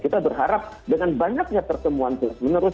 kita berharap dengan banyaknya pertemuan terus menerus